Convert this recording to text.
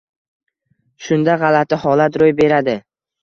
Shunda g’alati holat ro’y beradi.